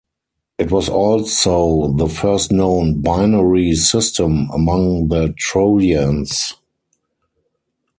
It was also the first known binary system among the Trojans.